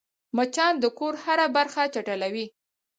مچان د کور هره برخه چټلوي